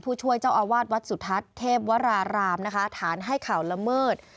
ผู้ช่วยเจ้าอาวาสวัดสุทัศน์เทพวรารามนะคะฐานให้ข่าวละเมิด